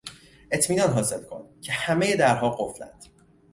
اطمینان حاصل کن که همهی درها قفلاند.